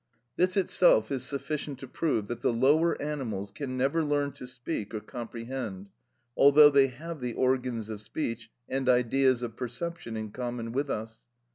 This itself is sufficient to prove that the lower animals can never learn to speak or comprehend, although they have the organs of speech and ideas of perception in common with us.